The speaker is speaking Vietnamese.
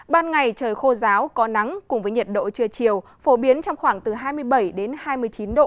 ban ngày trời khô ráo có nắng cùng với nhiệt độ trưa chiều phổ biến trong khoảng từ hai mươi bảy hai mươi chín độ